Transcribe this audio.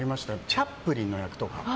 チャップリンの役とか。